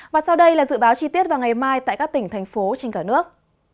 và sau đây là dự báo chi tiết vào ngày mai tại các tỉnh thành phố trên cả nước